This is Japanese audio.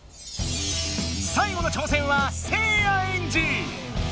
最後の挑戦はせいやエンジ！